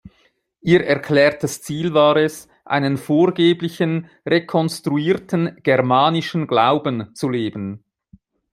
Ihr erklärtes Ziel war es, einen vorgeblichen, rekonstruierten „germanischen Glauben“ zu leben.